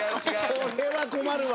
これは困るわ。